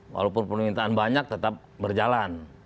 walaupun permintaan banyak tetap berjalan